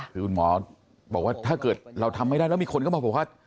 คือคุณหมอบอกว่าถ้าเกิดเราทำไม่ได้แล้วมีคนก็มาบอกว่า